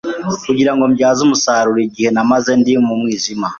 kugirango mbyaze umusaruro igihe namaze ndi mu mwijima